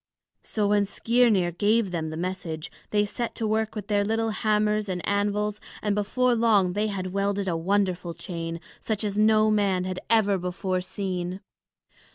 So when Skirnir gave them the message, they set to work with their little hammers and anvils, and before long they had welded a wonderful chain, such as no man had ever before seen.